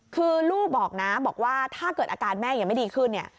คือลูกบอกนะบอกว่าถ้าเกิดอาการแม่ยังไม่ดีขึ้นเนี่ย